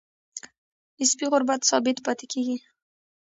نسبي غربت ثابت پاتې کیږي.